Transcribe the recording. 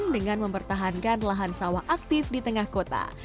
dengan mempertahankan lahan sawah aktif di tengah kota